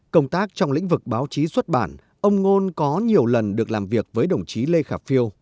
công tác trong lĩnh vực báo chí xuất bản ông ngôn có nhiều lần được làm việc với đồng chí lê khả phiêu